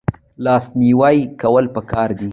لاس نیوی کول پکار دي